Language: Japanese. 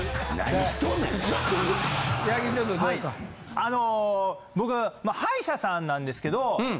あの僕歯医者さんなんですけど。